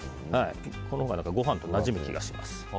このほうがご飯となじむ気がします。